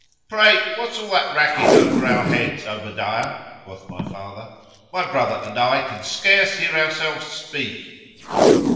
Pray, what's all that racket over our heads, Obadiah?——quoth my father;——my brother and I can scarce hear ourselves speak.